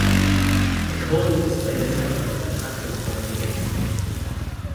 Macaulay displayed a temper when matters went against him.